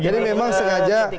jadi memang sengaja